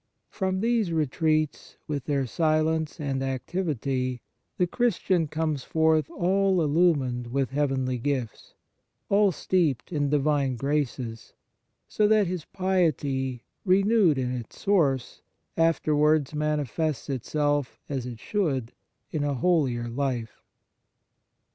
From these retreats, with their silence and activity, the Christian comes forth all illumined with heavenly gifts, all steeped in divine graces, so that his piety, renewed in its source, afterwards manifests itself, as it should, in a holier life.